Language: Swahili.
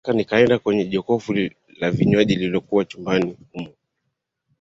Haraka akaenda kwenye jokofu la vinywaji lililokua chumbani humo